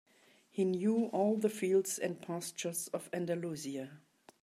He knew all the fields and pastures of Andalusia.